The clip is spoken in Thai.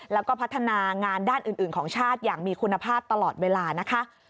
แล้วก็พัฒนางานด้านอื่นของชาติอย่างมีคุณภาพตลอดเวลานะคะ